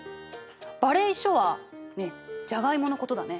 馬鈴薯はじゃがいものことだね。